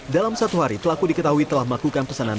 dalam satu hari pelaku diketahui telah melakukan pesanan